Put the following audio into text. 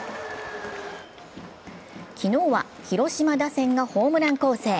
昨日は広島打線がホームラン攻勢。